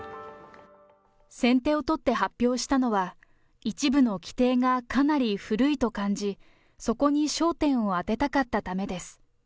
先手を取って発表したのは、一部の規定がかなり古いと感じ、そこに焦点を当てたかったためです。